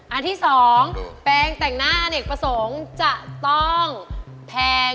อันที่๒แปงแต่งหน้า